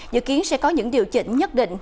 dự kiến sẽ có những điều chỉnh nhất định